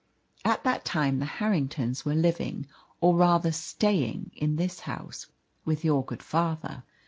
At that time the Harringtons were living, or rather staying, in this house with your good father.